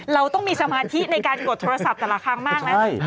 เราต้องมีสมาธิในการกดโทรศัพท์แต่ละครั้งมากนะ